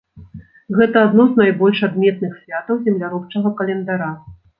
Гэта адно з найбольш адметных святаў земляробчага календара.